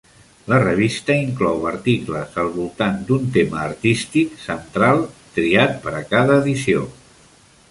La revista inclou articles al voltant d'un tema artístic central triat per a cada edició.